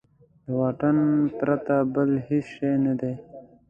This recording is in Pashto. د واټن پرته بل هېڅ شی نه دی.